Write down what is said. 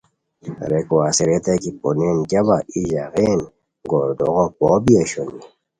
ریکو ہسے ریتائےکی پونین گیاوا ای ژاغین گردوغو پو بی اوشونی